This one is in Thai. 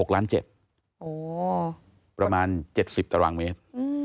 ๖๗๐๐๐๐๐บาทประมาณ๗๐ตระวังเมตร